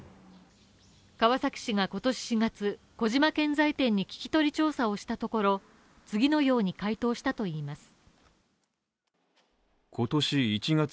川崎市が今年４月、小島建材店に聞き取り調査をしたところ、次のように回答したといいます。